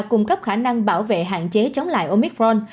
cung cấp khả năng bảo vệ hạn chế chống lại omicron